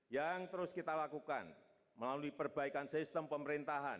yang terus kita lakukan melalui perbaikan sistem pemerintahan